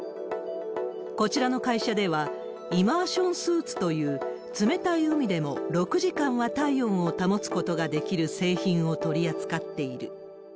こちらの会社では、イマーションスーツという、冷たい海でも６時間は体温を保つことができる製品を取り扱っている。